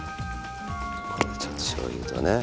ちょっとしょうゆとね。